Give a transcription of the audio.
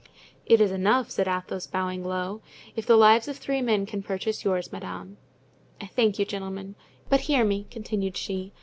"It is enough," said Athos, bowing low, "if the lives of three men can purchase yours, madame." "I thank you, gentlemen. But hear me," continued she.